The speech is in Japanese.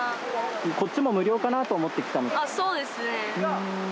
こっちも無料かなと思って来そうですね。